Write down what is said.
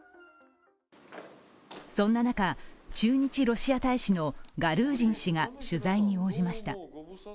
そんな中、駐日ロシア大使のガルージン氏が取材に応じました。